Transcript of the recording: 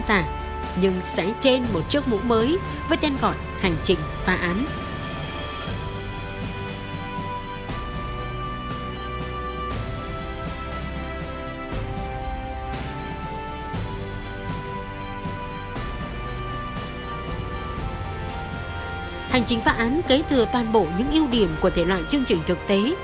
hành trình phá án kế thừa toàn bộ những ưu điểm của thể loại chương trình thực tế